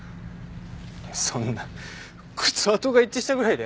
そんな靴跡が一致したぐらいで。